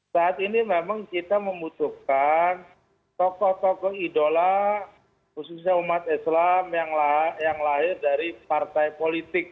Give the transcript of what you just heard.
saat ini memang kita membutuhkan tokoh tokoh idola khususnya umat islam yang lahir dari partai politik